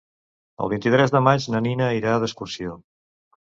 El vint-i-tres de maig na Nina irà d'excursió.